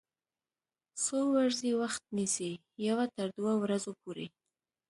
څو ورځې وخت نیسي؟ یوه تر دوه ورځو پوری